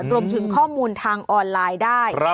รวมถึงข้อมูลทางออนไลน์ได้